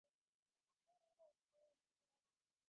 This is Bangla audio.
সারারাত তোমার সেবায় নিয়োজিত থাকতে চাই।